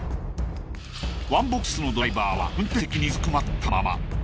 ワンボックスのドライバーは運転席にうずくまったまま。